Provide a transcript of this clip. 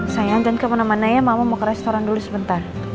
saya antun kemana mana ya mama mau ke restoran dulu sebentar